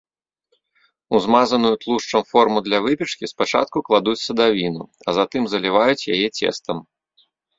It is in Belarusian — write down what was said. У змазаную тлушчам форму для выпечкі спачатку кладуць садавіну, а затым заліваюць яе цестам.